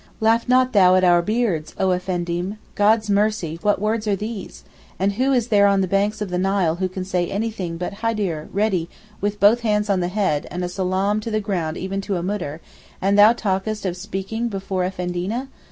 'Laugh not thou at our beards O Effendim! God's mercy, what words are these? and who is there on the banks of the Nile who can say anything but hader (ready), with both hands on the head, and a salaam to the ground even to a Moudir; and thou talkest of speaking before Effendina!